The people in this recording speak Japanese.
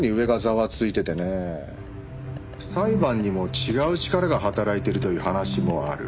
裁判にも違う力が働いてるという話もある。